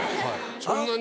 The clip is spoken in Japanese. そんなに？